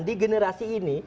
di generasi ini